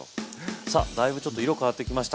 さあだいぶちょっと色変わってきました。